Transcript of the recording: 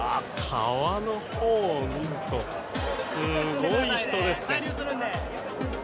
川のほうを見るとすごい人ですね。